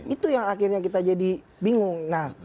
itu yang akhirnya kita jadi bingung